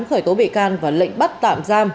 khởi tố bị can và lệnh bắt tạm giam